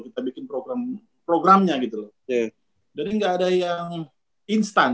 kita bikin program programnya gitu loh jadi nggak ada yang instan